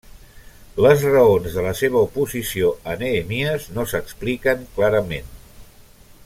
Les raons de la seva oposició a Nehemies no s'expliquen clarament.